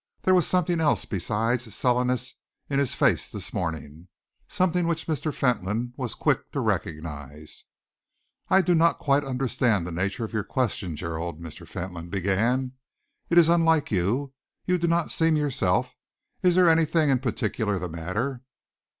There was something else besides sullenness in his face this morning, something which Mr. Fentolin was quick to recognise. "I do not quite understand the nature of your question, Gerald," Mr. Fentolin began. "It is unlike you. You do not seem yourself. Is there anything in particular the matter?"